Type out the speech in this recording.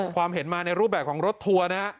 ความเห็นมาในรูปแบบของรถทัวร์นะฮะ